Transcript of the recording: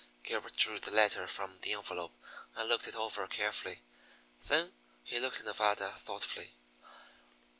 Gilbert drew the letter from the envelope and looked it over carefully. Then he looked at Nevada thoughtfully.